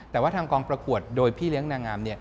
แต่ว่าทางกองประกวดโดยพี่เลี้ยงนางงาม